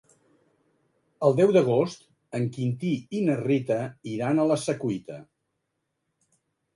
El deu d'agost en Quintí i na Rita iran a la Secuita.